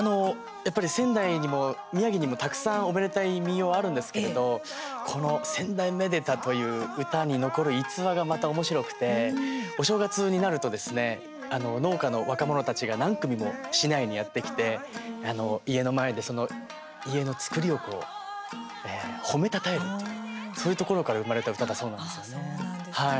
仙台にも、宮城にもたくさん、おめでたい民謡あるんですけれどこの「仙台めでた」という唄に残る逸話が、またおもしろくてお正月になると農家の若者たちが何組も市内にやって来て、家の前で家の造りを褒めたたえるというところから生まれた唄だそうなんですよね。